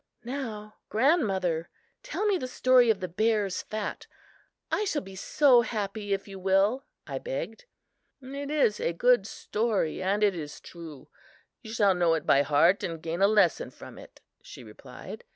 "Now, grandmother, tell me the story of the bear's fat. I shall be so happy if you will," I begged. "It is a good story and it is true. You should know it by heart and gain a lesson from it," she replied.